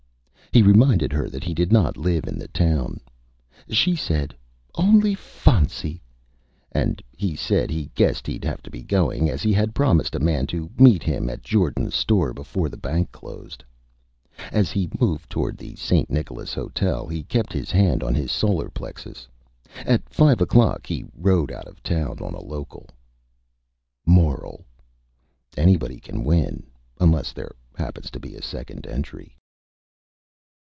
He reminded her that he did not live in the Town. She said: "Only Fahncy!" and he said he guessed he'd have to be Going, as he had promised a Man to meet him at Jordan's Store before the Bank closed. As he moved toward the St. Nicholas Hotel he kept his Hand on his Solar Plexus. At five o'clock he rode out of Town on a Local. MORAL: _Anybody can Win unless there happens to be a Second Entry.